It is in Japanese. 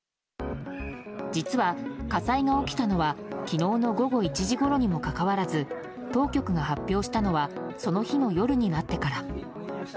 実は、火災が起きたのは昨日の午後１時ごろにもかかわらず当局が発表したのはその日の夜になってから。